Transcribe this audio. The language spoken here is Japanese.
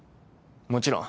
もちろん。